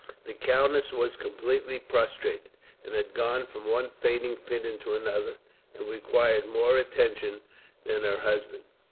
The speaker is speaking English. The countess was completely prostrated, and had gone from one fainting fit into another, and required more attention than her husband.